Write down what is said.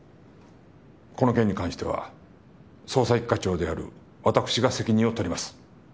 この件に関しては捜査一課長である私が責任を取ります。